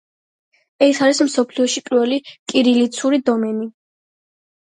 ეს არის მსოფლიოში პირველი კირილიცური დომენი.